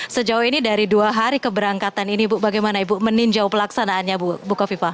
sejauh ini dari dua hari keberangkatan ini bu bagaimana ibu meninjau pelaksanaannya bu kofifa